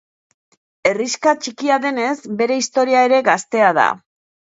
Herrixka txikia denez, bere historia ere gaztea da.